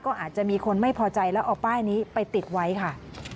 ก็อาจจะมีคนไม่พอใจแล้วเอาป้ายนี้ไปติดไว้ค่ะ